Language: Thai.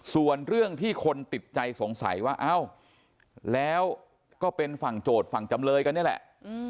ส่วนเรื่องที่คนติดใจสงสัยว่าเอ้าแล้วก็เป็นฝั่งโจทย์ฝั่งจำเลยกันนี่แหละ